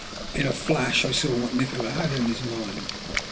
In a flash I saw what Nikola had in his mind.